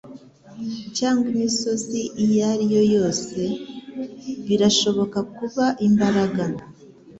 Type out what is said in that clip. Cyangwa imisozi iyo ari yo yose? Birashobora kuba imbaraga